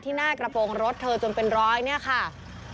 หน้ากระโปรงรถเธอจนเป็นร้อยเนี่ยค่ะ